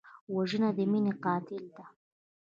وژنه د مینې قاتله ده